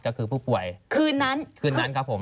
ก็คือผู้ป่วยคืนนั้นครับผม